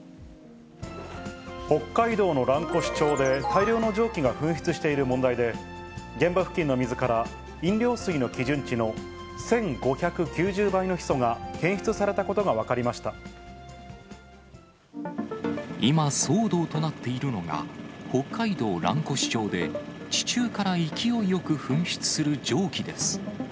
北海道の蘭越町で大量の蒸気が噴出している問題で、現場付近の水から飲料水の基準値の１５９０倍のヒ素が検出された今、騒動となっているのが、北海道蘭越町で地中から勢いよく噴出する蒸気です。